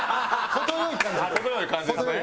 程良い感じです。